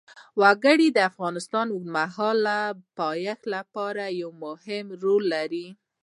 وګړي د افغانستان د اوږدمهاله پایښت لپاره یو مهم رول لري.